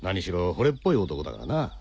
ほれっぽい男だからな。